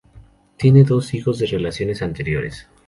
Tiene dos hijos de dos relaciones anteriores.